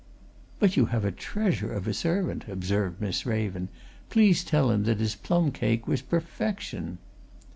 "But you have a treasure of a servant," observed Miss Raven. "Please tell him that his plum cake was perfection."